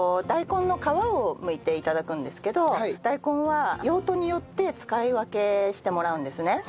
大根の皮をむいて頂くんですけど大根は用途によって使い分けしてもらうんですね。